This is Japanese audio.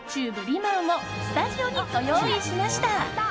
まんをスタジオにご用意しました！